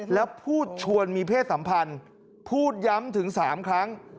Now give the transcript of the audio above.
แล้วพูดชวนมีเพศสัมพันธ์พูดย้ำถึง๓ครั้ง